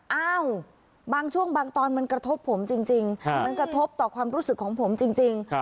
เอ้าบางช่วงบางตอนมันกระทบผมจริงมันกระทบต่อความรู้สึกของผมจริง